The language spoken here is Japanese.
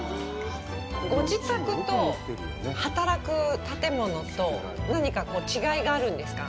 ご自宅と、働く建物と、何かこう、違いがあるんですか？